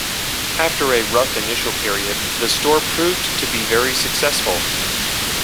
After a rough initial period, the store proved to be very successful.